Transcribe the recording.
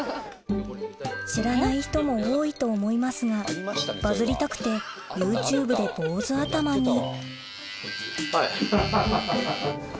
知らない人も多いと思いますがバズりたくてＹｏｕＴｕｂｅで坊ず頭にはい。